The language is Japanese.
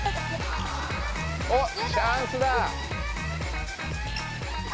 おっチャンスだ！